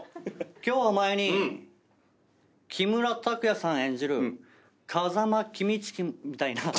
今日はお前に木村拓哉さん演じる風間キミチケみたいな。